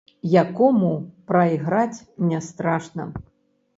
Якому прайграць не страшна.